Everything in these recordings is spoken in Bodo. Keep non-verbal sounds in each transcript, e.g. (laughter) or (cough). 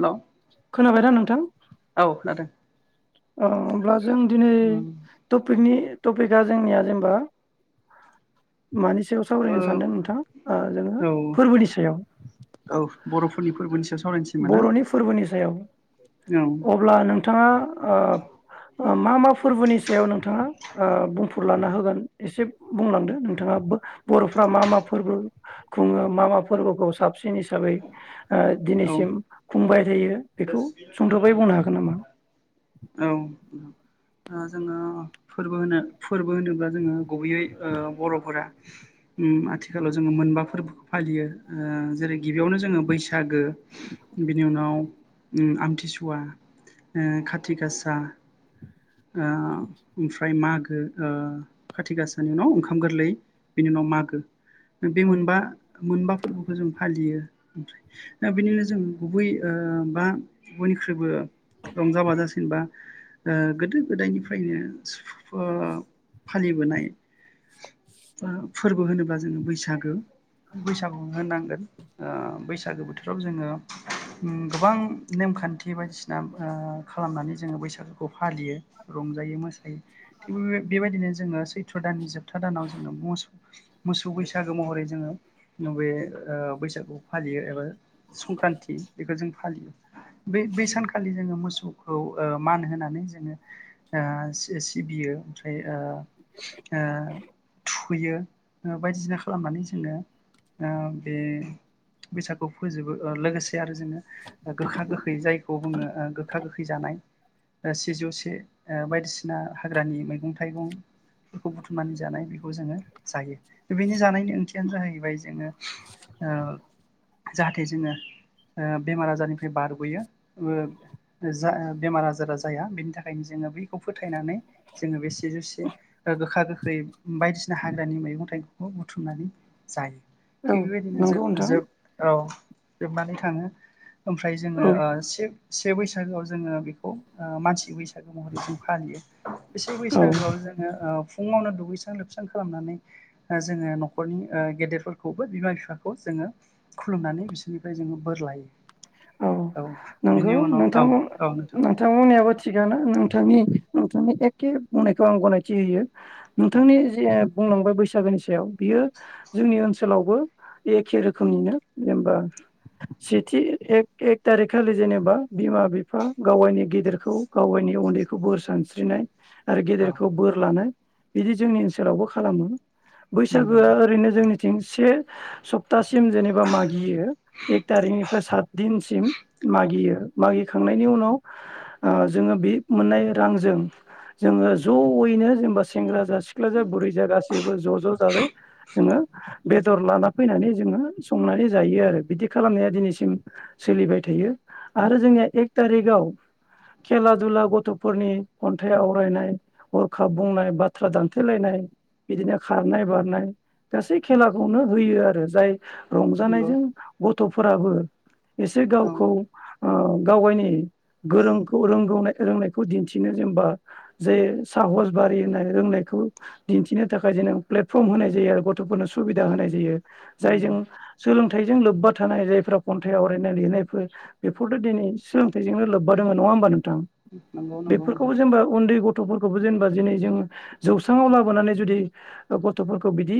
हेल'। खोनाबायना नोंथां? औ खोनादों। औ होमब्ला जों दिनै उम टपिकनि टपिकआ जोंनिया जेनबा मानि सायाव ओ सावरायनो सानदों नोंथां ओ जोङो औ फोरबोनि सायाव औ बर'फोरनि फोरबोनि सायाव सावरायनोसै होनबा ना बर'नि फोरबोनि सायाव औ अब्ला नोंथाङा ओब ओ मा मा फोरबोनि सायाव नोंथाङा ओ बुं फुर लाना होगोन एसे बुंलांदो नोंथाङाबो। बर'फ्रा मा मा फोरबो खुङो मा मा फोरबोखौ साबसिन हिसाबै ओ औ जिम खुंबाय थायो। बेखौ सुंद'बै बुंनो हागोन नामा? (unintelligible) औ ओ जोङो फोरबो होनो फोरबो होनोबा जोङो गुबैयै ओ बर'फोरा उम आथिखालाव जोङो मोनबा फोरबोखौ फालियो ओ जेरै गिबियावनो जोङो बैसागो बिनि उनाव उम आमथिसुवा ओ खाथि गासा आ ओमफ्राय मागो ओ खाथि गासानि उनाव ओंखाम गोरलै बिनि उनाव मागो बे मोनबा मोनबा फोरबोखौ जों फालियो। दा बिनि उनाव जों गुबै ओ बा बयनिख्रुइबो रंजा बाजासिन बा ओ गोदो गोदायनिफ्रायनो सुफु ओ फालिबोनाय फोरबो होनोब्ला जोङो बैसागो बैसागु होनांगोन अ बैसागो बोथोराव जोङो ओम गोबां नेमखान्थि बायदिसिना आ खालामनानै जोङो बैसागुखौ फालियो रंजायो मोसायो थिग बेबायदिनो जोङो सैथ्र' दाननि जोबथा दानाव जोङो मसौ मोसौ बैसागु महरै जोङो न बेे बैसागुखौ फालियो एबा संक्रान्ति बेखौ जों फालियो बे बे सानखालि जोङो मोसौखौ मान होनानै जोङोओ सिबियो ओमफ्राय अ अ थुखैयो बायदिसिना खालामनानै जोङो बे अ बैसागु फोजोबो लोगोसे दे आरो जोङो गोखा गोखै जाय जायखौ बुङो गोखा गोखै जानाय सिजौसे बायदिसिना हाग्रानि मैगं थाइगंफोरखौ बुथुमनानै जानाय बेखौ जोङो जायो बेनि जानायनि ओंथियानो जाहैबाय जोङो ओ जाहाथे जोङो ओ बेमार आजारनिफ्राय बारग'यो ओ जा बेमार आजारा जाया बेनि थाखायनो जोङो बेखौ फोथायनानै जोङो बे सिजौसे गोखा गोखै बायदिसिना हाग्रानि मैगं थाइगंखौ बुथुमनानै जायो औ थिग बेबायदिनो नंगौ जोब नोंथां जोब औ जोबानो थाङो ओमफ्राय जोङो औ अ सिब से बैसागोआव जोङो बेखौ अ मानसि बैसागो महरै जों फालियो एसे औ बैसागुआव जोङो अ फुङावनो दुगैस्रां लोबस्रां खालामनानै अ जोङो न'खरनि अ गेदेरफोरखौबो बिमा बिफाखौ जोङो खुलुमनानै बिसोरनिफ्राय जोङो बोर लायो। औ नंगौ बिनि उनाव औ नोंथां औ नोंथां नोंथांमोननियाबो थिगानो नोंथांनि नोंथांनि एखे बुंनायखौ आं गनायथि होयो औ नोंथांनि जे बुंलांबाय बैसागुनि सायाव बियो जोंनि ओनसोलावबो एखे रोखोमनिनो जेनबा सेथि ए एक थारिक खालि जेनेबा बिमा बिफा गावाइनि गेदेरखौ गावायनि उन्दैखौ बोर सानस्रिनाय आरो औ गेदेरखौ बोर लानाय बिदि जोंनि ओनसोलावबो खालामो नंगौ बैसागोआ ओरैनो जोंनि से सप्तासिम जेनेबा मागियो एक थारिकनिफ्राय सात दिनसिम मागियो मागिखांनायनि उनाव अ जोङो बे मोननाय रांजों जोङो जयैनो जेनेबा सेंग्रा जा सिख्लाजा बुरैजा गासैबो ज' ज' जाजाय जोङो बेदर लाना फैनानै जोङो संनानै जायो आरो बिदि खालामनाया दिनैसिम सोलिबाय थायो आरो जोंनिया एक तारिकआव खेला दुला गथ'फोरनि खन्थाइ आवरायनाय हरखाब बुंनाय बाथ्रा दानथेलायनाय बिदिनो खारनाय बारनाय गासै खेलाखौनो होयो आरो जाय नंगौ रंजानायजों गथ' फोराबो एसे औ गावखौ ओ गाव गावनि गोरोंखौ रोंगौ रोंनायखौ दिन्थिनो जेनेबा जे साहस बारियो होननाय रोंनायखौ दिन्थिनो थाखाय जेन प्लेटफर्म होनाय जायो आरो गथ'फोरनो सुबिदा होनाय जायो नंगौ जायजों सोलों थायजों लोब्बा थानाय जायफ्रा खन्थाइ आवरायनाय लिरनायफोर बेफोरथ' दिनै सोलोंथाइजोंनो लोब्बा दङ' नङा होमबा नों थां नंगौ नंगौ बेफोरखौबो नोंथां जेनेबा उन्दै गथ थ'फोरखौबो जेनेबा दिनै जोङो जौसाङाव लाबोनानै जुदि गथ'फोरखौ बिदि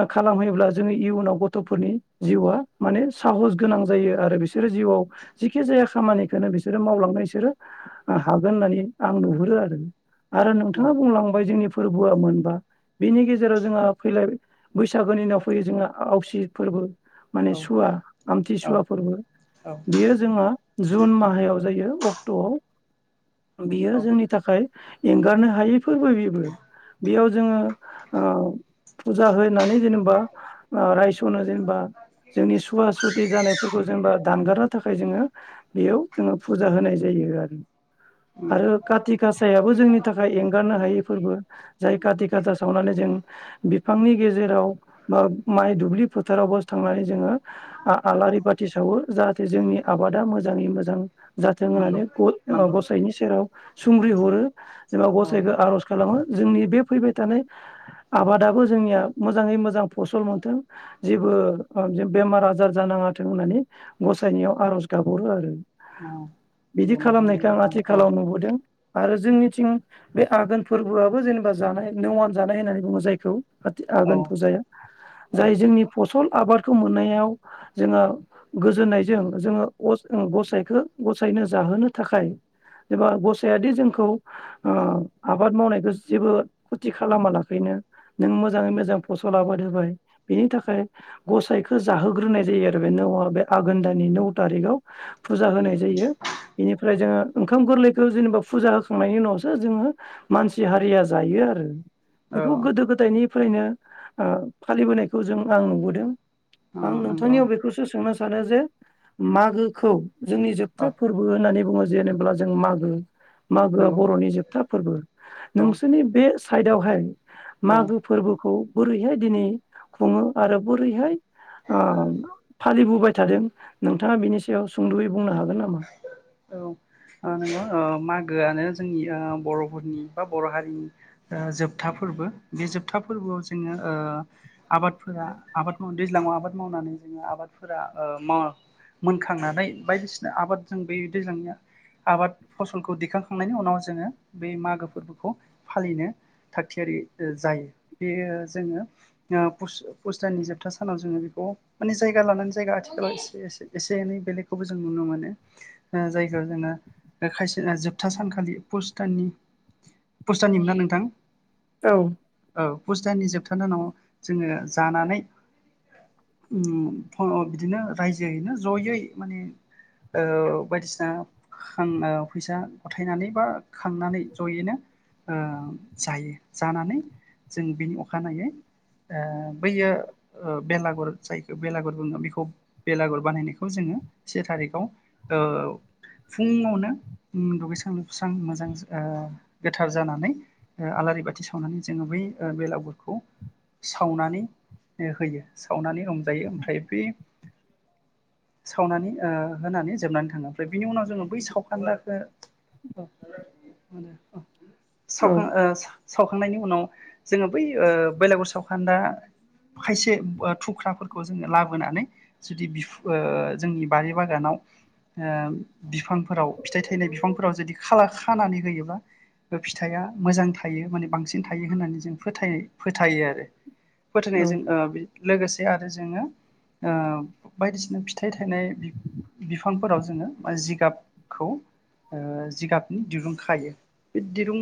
ओ खालामहैयोब्ला जों इयुनाव गथ'फोरनि जिउआ माने साहस गोनां जायो आरो बिसोरो जिउआव जेखि जाया खामानिखोनो बिसोरो मावलांनो इसोरो हागोन होननानै आं नुहुरो आरो आरो औ नोंथाङा बुंलांबाय जोंनि फोरबोआ मोनबा बिनि गेजेराव जोंहा फैलाय बैसागोनि उनाव फैयो जोंहा आवसि फोरबो माने सुवा औ आमथिसुवा फोरबो औ बियो जोङो जुन माहायाव जायो अक्ट'आव बेयो औ जोंनि थाखाय एंगारनो हायै फोरबो बेबो बेयाव जोङो ओ फुजा होनानै जेनेबा ओ रायसनो जेनेबा जोंनि सुवा सु सुति जानायफोरखौ जेनेबा दानगारनो थाखाय जोङो बेयाव जोङो फुजा होनाय जायो आरो उम आरो काति कासायाबो जोंनि थाखाय एंगारनो हायै फोरबो जाय काति खासा सावनानै जों बिफांनि गेजेराव बा माइ दुब्लि फोथारावबो थांनानै जोङो आ-आलारि बाथि सावो जाहाथे जोंनि आबादा मोजाङै मोजां जाथों नंगौ होननानै नंगौ औ ग-गसाइनि सेराव सुंग्रि हरो जेनेबा गसाइखौ औ आरज खालामो जोंनि बे फैबाय थानाय आबादाबो जोंनिया मोजाङै मोजां फसल मोनथों जेबो‌ ओ बेमार आ जार जानाङाथों होननानै गसायनियाव आरज गाबहरो आरो बिदि नंगौ नोंथां खालामनायखो आं बेबायदिनो औ आथिखालाव नुबोदों आरो जोंनिथिं बे आघोन फोरबोआबो जेनेबा जानाय नौवान जानाय होननानै बुङो जायखौ काति आघोन औ फुजाया औ जाय जोंनि फसल आबादखौ मोननायाव जोङो गोजोननायजों जोङो गसा-गसाइखौ गसायनो जाहोनो थाखाय एबा गसायादि जोंखौ ओ आबाद मावनायखौ जेबो खथि खालामा लाखैनो नों मोजाङै मोजां फसल आबाद होबाय बेनि थाखाय गसाइखो जाहो ग्रोनाय जायो आरो बे नौआ बे आघोन दाननि नौ तारिखाव फुजा होनाय जायो बेनिफ्राय जोङो ओंखाम गोरलैखौ जेनेबा फुजा होखांनायनि उनावसो जोङो मानसि हारिया जायो आरो औ बेखौ गोदो गोदायनिफ्रायनो ओ‌ फालिबोनायखौ जों आं नुबोदों औ आं नंगौ नोंथांनियाव बेखौसो सोंनो सा सानो जे मागोखौ जोंनि औ जोबथा फोरबो होननानै बुङो जेनेब्ला जों मागो मागोआ नंगौ बरनि जोबथा फोरबो औ नोंसोरनि बे खाइदावहाय औ मागो फोरबोखौ बोरैहाय दिनै खुङो आरो बोरैहाय ओ फालिबोबाय थादों नोंथाङा बिनि सायाव सुंदयै बुंनो हागोन औ नामा? ओ नोंगौ अ मागो मागोआनो जोंनि ओ बरफोरनि बा बर हारिनि जोबथा फोरबो बे जोबथा फोरबोआव जोङो ओ‌आबादफोरा आबाद माव दैज्लाङाव आबाद मावनानै जोङो आबादफोरा माव मोनखांनानै बायदिसिना आबाद जों ब दैज्लांनि आबाद फसलखौ दिखांखांनायनि उनाव जोङो बे मागो फोरबोखौ फालिनो थागथियारि जायो बेयो जोङो फुसताननि जोबथा सानाव जोङो बेखौ माने जायगा लानानै जायगा आथिखालाव एसे एनै बेलेगखौबो जों नुनो मोनो जायगायाव जोङो खायसे जोबथा सानखालि पुस्ताननि मोना नोंथां औ नि जोबथान जोङो जानानै बिदिनो रायजोैनो जयै म बायदिसिनाां फैसा गथायनानै बा खांनानै जयैनो जायो जानानै जों बिनि अखानायै बैयो बेलागुर जायखौ बेलागुर बुङो बेखौ बेलागुर बानायनायखौ जोङो से थारिखाव फुङावनो दुगैस्रां लोबस्रां मोजां गोथार जानानै आलारि बाथि सावनानै जोङो बै बेलावगुरखौ सावनानै होयो सावनानै रंजायो ओमफ्राय बे सावनानै होनानै जोबनानै थाङो ओमफ्राय बिनि उनाव जोङो बै सावखान्दखौ मो औ सां सखांनायनि उनाव जोङो बै बेलागुर सावखान्दा खायसे थुख्राफोरखौ जोङो लाबोनानै जुदि बि जोंनि बारि बागानाव बिफांफोराव फिथाइ थायनाय बिफांफोराव जुदि खाला खानानै होयोब्ला बे फिथाइया मोजां थायो माने बांसिन थायो होननानै जों फोथाय फोथायो आरो औ फोथायनायजों आ लोगोसे (unintelligible) आरो जोंङो बायदिसिना फिथाइ थायनाय बिफांफोराव जोङो जिगाबखौ जिगाबनि दिरुं खायो बे दिरुं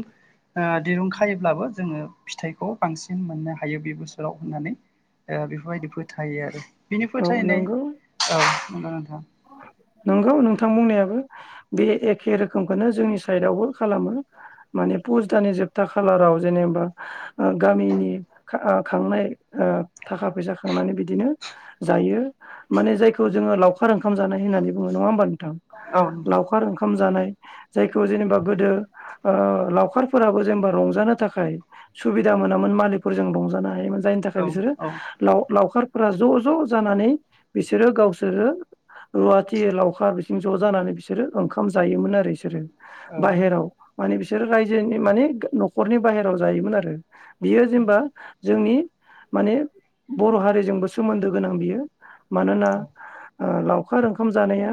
दिरुं खायोब्लाबो जोङो फिथाइखौ बांसिन मोननो हायो बे बोसोराव होननानै बेफोरबायदि फोथायो आरो बिनि औ फोथायनाय नंगौ औ (unintelligible) नंगौ नोंथां बुंनायाबो बे एखे रोखोमखौनो जोंनि साइदआवबो खालामो माने पुस दानानि जोबथा खालाराव जेनेबा गामिनि खांनाय थाखा फैसा खांनानै बिदिनो जायो माने जायखौ जोङो लाव लाउखार ओंख जानाय होननानै बुङो नङा होमबा नोंथां औ नोंथां लाउखार ओंखाम जानाय जायखौ जेनेबा गोदो ओ लावखारफोराबो जेनेबा रंजानो थाखाय सुबिदा मोनामोन मालिकफोरजों रंजानो हायोमोन जायनि थाखाय औ बिसोरो औ लाव लावखार फोरा ज' ज' जानानै बिसोरो गावसोरो रुवाथि लावखार बिसोर ज' जानानै बिसोरो ओंखाम जायोमोन आरो बिसोरो बाहेराव माने बिसोर रायजोनि माने न'खरनि बाहेराव जायोमोन आरो बियो जेनबा जोंनि माने बर' हारिजोंबो सोमोन्दो गोनां बियो मानोना औ लावखार ओंखाम जानाया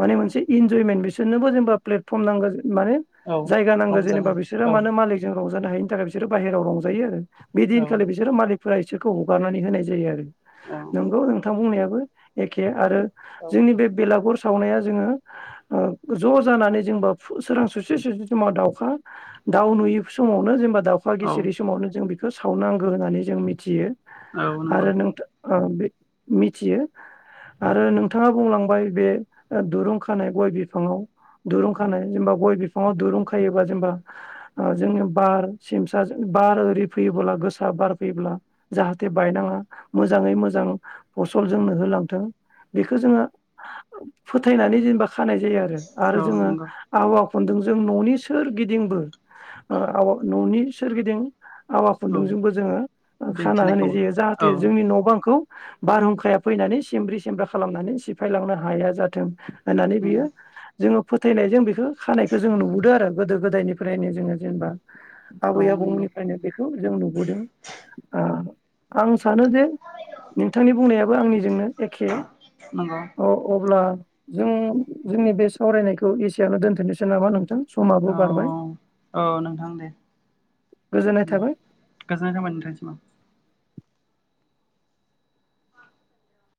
माने मोनसे इनजयमेन्ट बिसोरनोबो जेनेबा प्लेटफर्म नांगौ जों माने औ जायगा नांगौ जेनेबा रंजानाय बिसोरो औ मानो मालिकजों रंजानो हायनि थाखाय बिसोरो बाहेराव रंजायो आरो औ बेदिनखालि बिसोरो मालिक फ इसोरखौ हगारनानै होनाय जायो आरो औ नंगौ नोंथां बुंनाया ओ एखे आरो औ जोंनि बेलागुर सावनाया जोङो ज' जानानै जेनेबा सोरां सुसे सुस समाव दाउखा दाउ नुयै समावनो जेनेबा दाउखा औ गिसिरि समावनो जों बेखौ सावनांगौ होननानै जों मिथियो औ नंगौ आरो नोंथ आरो बे मिथियो आरो नोंथाङा बुंलांबाय बे दुरुं खानाय गय बिफाङाव दुरुं खानाय जेनेबा गय बिफाङाव दुरुं खायोबा जेनेबा जोंनि बार सिमसा बार ओरि फैयोब्ला गोसा बार फैयोब्ला जाहाथे बायनाङा मोजाङै मोजां फसल जोंनो होलांथों बेखौ जोङो फोथायनानै जेनेबा खानाय जायो आरो आरो औ जोङो नंगौ आबहावा खुनदों जों न'नि सोरगिदिंबो आवा न'नि सोरगिदिं आवा औ खुन्दुंजोंबो जोङो खाना होनाय बेंथेनायखौबो जायो जाहाथे औ जोंनि न' बांखौ बारहुंखाया फैनानै सिमब्रि सिमब्रा खालामनानै सिफायलांनो हाया जाथों होननानै बियो नंगौ जोङो फोथायनायजों बेखौ खानायखौ जोङो नुबोदों आरो गोदो गोदायनिफ्रायनो जोङो जेनेबा औ आबै नंगौ आबौनिफ्रायनो बेखौ जों नुबोदों ओ आं सानो जे नोंथांनि बुंनायाबो आंनि जोंनो एखे नंगौ अब्ला जों जोंनि बे सावरायनायखौ एसेआवनो दोनथ'नोसै नामा नोंथां समाबो औ बारबाय औ नोंथां दे गोजोननाय दे थाबाय गोजोननाय थाबाय नोंथांनिसिम ओं